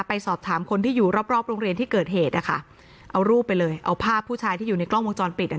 ไปสอบถามคนที่อยู่รอบรอบโรงเรียนที่เกิดเหตุนะคะเอารูปไปเลยเอาภาพผู้ชายที่อยู่ในกล้องวงจรปิดอ่ะ